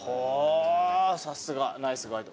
さすがナイスガイド。